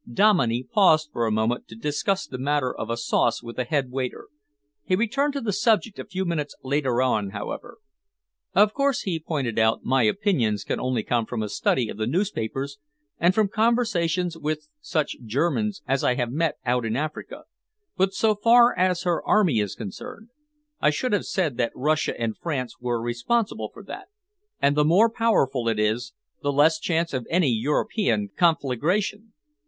Dominey paused for a moment to discuss the matter of a sauce with the head waiter. He returned to the subject a few minutes later on, however. "Of course," he pointed out, "my opinions can only come from a study of the newspapers and from conversations with such Germans as I have met out in Africa, but so far as her army is concerned, I should have said that Russia and France were responsible for that, and the more powerful it is, the less chance of any European conflagration.